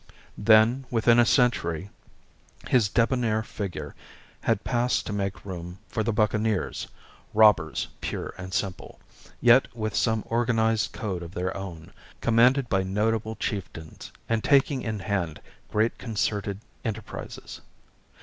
Then, within a century, his debonnaire figure had passed to make room for the buccaneers, robbers pure and simple, yet with some organized code of their own, commanded by notable chieftains, and taking in hand great concerted enterprises.